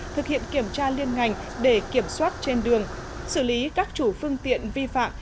thực hiện kiểm tra liên ngành để kiểm soát trên đường xử lý các chủ phương tiện vi phạm